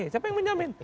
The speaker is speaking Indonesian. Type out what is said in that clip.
siapa yang menjamin